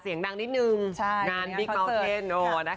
เสียงดังนิดนึงงานพี่เกาะเทน